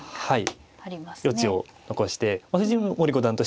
はい。